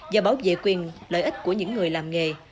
và bảo vệ quyền lợi ích của những người làm nghề